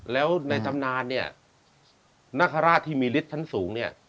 แล้วในจำนานนาคาราชที่มีฤทธิ์ทางสูง